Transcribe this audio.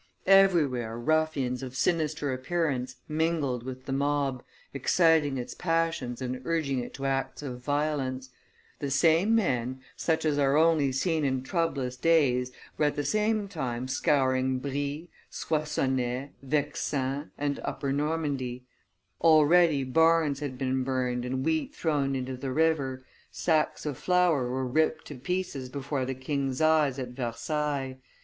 Everywhere ruffians of sinister appearance mingled with the mob, exciting its passions and urging it to acts of violence: the same men, such as are only seen in troublous days, were at the same time scouring Brie, Soissonnais, Vexin, and Upper Normandy; already barns had been burned and wheat thrown into the river; sacks of flour were ripped to pieces before the king's eyes, at Versailles.